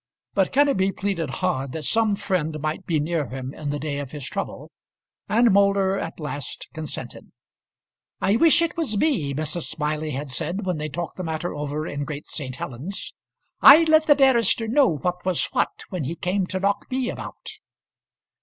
But Kenneby pleaded hard that some friend might be near him in the day of his trouble, and Moulder at last consented. "I wish it was me," Mrs. Smiley had said, when they talked the matter over in Great St. Helens; "I'd let the barrister know what was what when he came to knock me about."